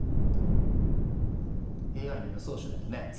ＡＩの予想手でもね